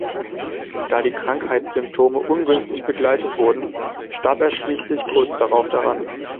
Da die Krankheitssymptome ungünstig begleitet wurden starb er schließlich kurz darauf daran.